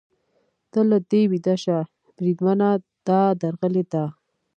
ته له دې ویده شه، بریدمنه، دا درغلي ده.